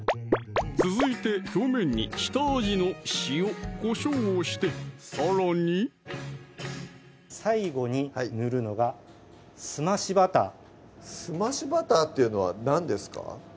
続いて表面に下味の塩・こしょうをしてさらに最後に塗るのが澄ましバター澄ましバターっていうのは何ですか？